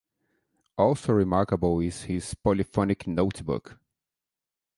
Also remarkable is his "Polyphonic Notebook".